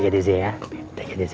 kamu kayak lekkernya